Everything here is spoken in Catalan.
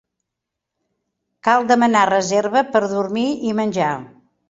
Cal demanar reserva per dormir i menjar.